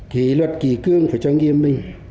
kỳ luật kỳ cương phải cho nghiêm minh